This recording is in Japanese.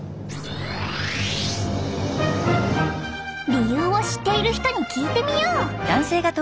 理由を知っている人に聞いてみよう！